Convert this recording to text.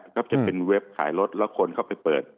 ก็จะเป็นเว็บขายรถแล้วคนเข้าไปเปิด